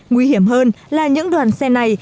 nguy hiểm hơn là những đoàn xe này